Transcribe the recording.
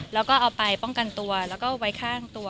แล้วก็เอาไปป้องกันตัวแล้วก็ไว้ข้างตัว